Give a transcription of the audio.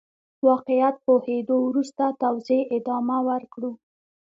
واقعيت پوهېدو وروسته توزيع ادامه ورکړو.